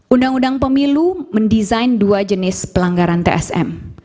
undang undang pemilu mendesain dua jenis pemerintahan